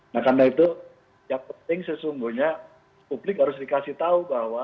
nah karena itu yang penting sesungguhnya publik harus dikasih tahu bahwa